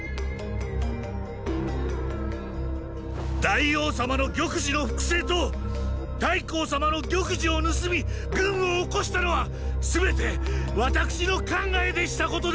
大王様の玉璽の複製と太后様の玉璽を盗み軍を興したのは全て私の考えでしたことでございます！！